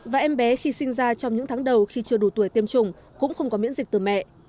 và em bé khi sinh ra trong những tháng đầu khi chưa đủ tuổi tiêm chủng cũng không có miễn dịch từ mẹ